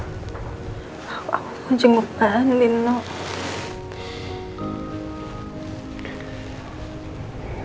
aku mau jenguk balin noh